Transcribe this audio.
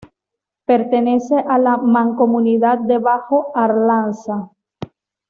Pertenece a la mancomunidad de Bajo Arlanza